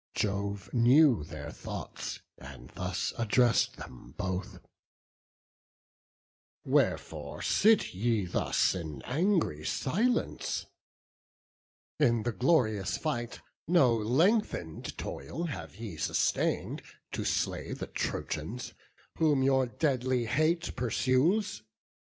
Jove knew their thoughts, and thus address'd them both: "Pallas and Juno, wherefore sit ye thus In angry silence? In the glorious fight No lengthen'd toil have ye sustain'd, to slay The Trojans, whom your deadly hate pursues.